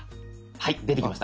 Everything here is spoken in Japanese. はい出てきました。